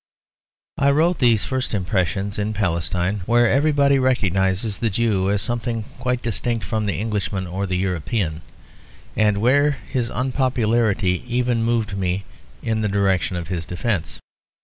I wrote these first impressions in Palestine, where everybody recognises the Jew as something quite distinct from the Englishman or the European; and where his unpopularity even moved me in the direction of his defence.